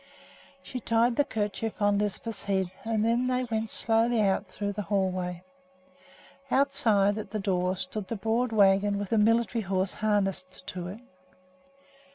She tied the kerchief on Lisbeth's head and then they went slowly out through the hall way. Outside, at the door, stood the broad wagon with the military horse harnessed to it.